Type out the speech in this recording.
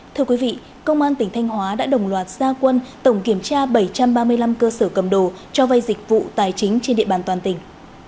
thưa quý vị công an tỉnh thanh hóa đã đồng loạt gia quân tổng kiểm tra bảy trăm ba mươi năm cơ sở cầm đồ cho vay dịch vụ tài chính trên địa bàn toàn tỉnh